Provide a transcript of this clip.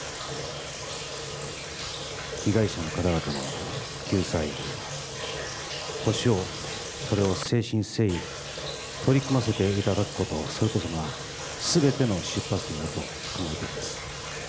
被害者の方々の救済、補償、それを誠心誠意取り組ませていただくこと、それこそが、すべての出発点だと考えております。